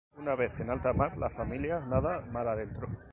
Una vez en el mar la familia nada mar adentro.